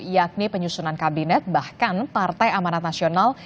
yakni penyusunan kabinet bahkan partai amanat nasional